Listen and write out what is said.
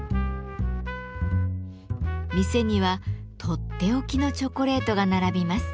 店にはとっておきのチョコレートが並びます。